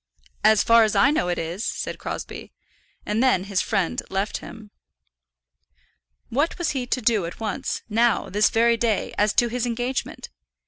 "As far as I know, it is," said Crosbie. And then his friend left him. What was he to do at once, now, this very day, as to his engagement?